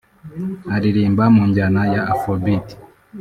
Aririmba mu njyana ya AfroBeat